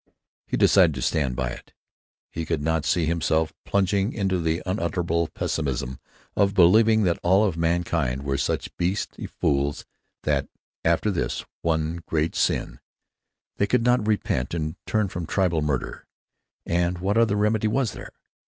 He decided to stand by it; he could not see himself plunging into the unutterable pessimism of believing that all of mankind were such beast fools that, after this one great sin, they could not repent and turn from tribal murder. And what other remedy was there?